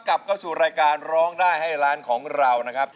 กลับเข้าสู่รายการร้องได้ให้ร้านของเรานะครับ